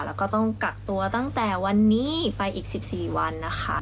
แล้วก็ต้องกักตัวตั้งแต่วันนี้ไปอีก๑๔วันนะคะ